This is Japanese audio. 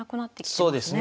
そうですね。